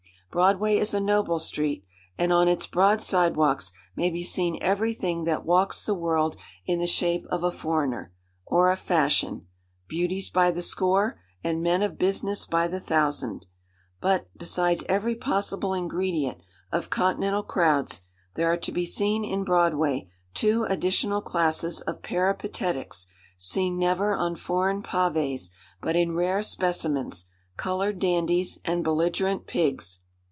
Broadway is a noble street, and on its broad side walks may be seen every thing that walks the world in the shape of a foreigner, or a fashion—beauties by the score, and men of business by the thousand; but, besides every possible ingredient of continental crowds, there are to be seen in Broadway two additional classes of peripatetics seen never on foreign pavés but in rare specimens—coloured dandies, and belligerent pigs.